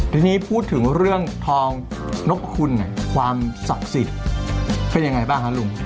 ทีนี้พูดถึงเรื่องทองนกคุณความศักดิ์สิทธิ์เป็นยังไงบ้างคะลุง